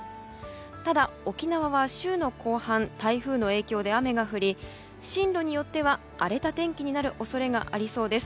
ただ、沖縄は週の後半台風の影響で雨が降り、進路によっては荒れた天気になる恐れがありそうです。